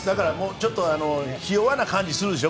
ちょっとひ弱な感じするでしょ。